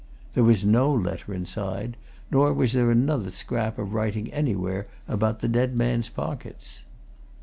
There was no letter inside it, nor was there another scrap of writing anywhere about the dead man's pockets.